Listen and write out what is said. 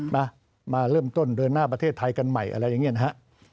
มามาเริ่มต้นเดินหน้าประเทศไทยกันใหม่อะไรอย่างนี้นะฮะ